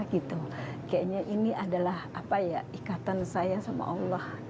kayaknya ini adalah ikatan saya sama allah